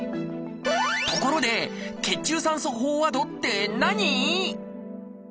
ところで「血中酸素飽和度」って何？